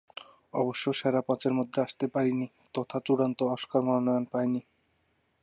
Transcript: অবশ্য সেরা পাঁচের মধ্যে আসতে পারেনি তথা চূড়ান্ত অস্কার মনোনয়ন পায়নি।